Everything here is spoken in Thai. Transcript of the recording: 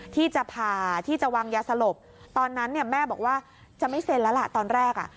ที่จะผ่าที่จะวางยาสลบตอนนั้นเนี่ยแม่บอกว่าจะไม่เซ็นแล้วล่ะตอนแรกอ่ะ